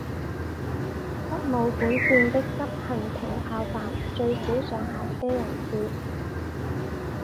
东武本线的急行停靠站最少上下车人次。